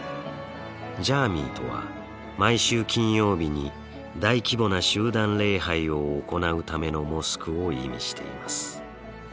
ジャーミイとは毎週金曜日に大規模な集団礼拝を行うためのモスクを意味しています。